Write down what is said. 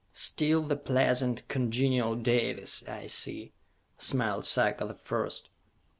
"Still the pleasant, congenial Dalis, I see!" smiled Sarka the First.